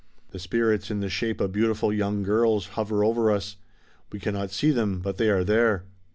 The spirits in the shape of beautiful young girls hover over us. We cannot see them, but they are there."